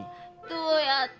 どうやって？